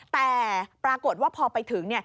แต่ปรากฏว่าพอไปถึง